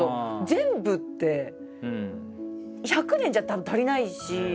全部って１００年じゃたぶん足りないし。